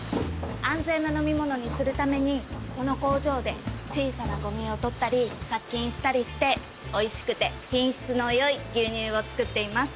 安全な飲み物にするためにこの工場で小さなゴミを取ったり殺菌したりしておいしくて品質の良い牛乳を作っています。